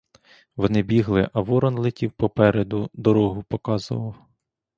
Вони бігли, а ворон летів попереду — дорогу показував.